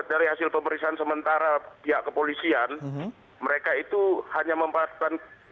kalau dari hasil pemeriksaan sementara pihak kepolisian mereka itu hanya memanfaatkan situasi